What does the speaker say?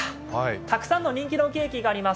たくさんの人気のケーキがあります。